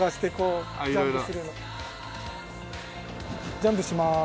ジャンプします。